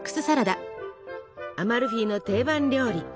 アマルフィの定番料理。